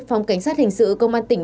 phòng cảnh sát hình sự công an tỉnh